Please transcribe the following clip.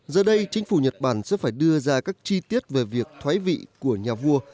giờ đây chính phủ nhật bản sẽ phải đưa ra các chi tiết về việc thoái vị của nhà vua